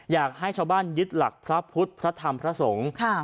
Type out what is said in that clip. อยากให้ชาวบ้านยึดหลักพระพุทธพระธรรมพระสงฆ์